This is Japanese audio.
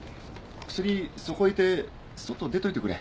薬そこ置いて外出といてくれ。